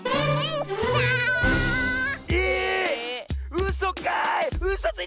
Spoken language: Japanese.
うそかい！